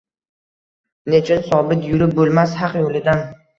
Nechun sobit yurib boʼlmas Haq yoʼlidan